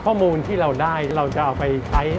ข้อมูลที่เราได้เราจะเอาไปใช้